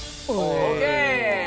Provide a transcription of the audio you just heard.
ＯＫ！